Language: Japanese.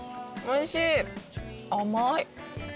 おいしい。